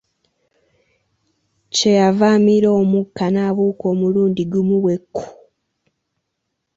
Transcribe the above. Kye yava amira omukka n'abuuka omulundi gumu bwe kku!